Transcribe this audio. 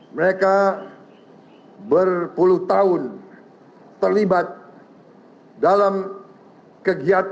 mereka berpuluh tahun terlibat dalam kegiatan